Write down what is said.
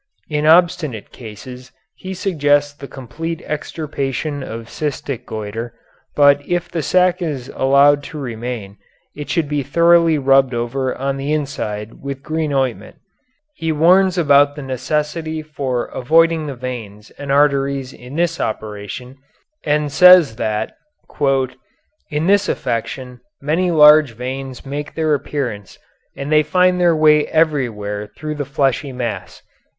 In obstinate cases he suggests the complete extirpation of cystic goitre, but if the sac is allowed to remain it should be thoroughly rubbed over on the inside with green ointment. He warns about the necessity for avoiding the veins and arteries in this operation, and says that "in this affection many large veins make their appearance and they find their way everywhere through the fleshy mass."